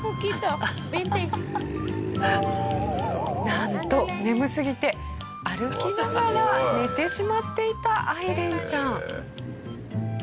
なんと眠すぎて歩きながら寝てしまっていたアイレンちゃん。